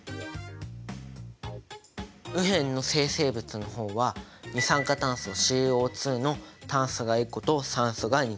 右辺の生成物の方は二酸化炭素ＣＯの炭素が１個と酸素が２個。